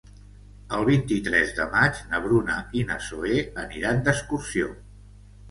El vint-i-tres de maig na Bruna i na Zoè aniran d'excursió.